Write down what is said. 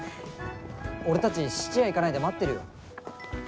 俺たち質屋、行かないで待ってるよ。